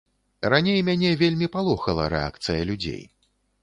Раней мяне вельмі палохала рэакцыя людзей.